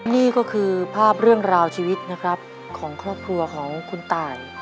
นี่ก็คือภาพเรื่องราวชีวิตนะครับของครอบครัวของคุณตาย